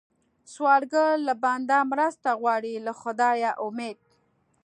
سوالګر له بنده مرسته غواړي، له خدایه امید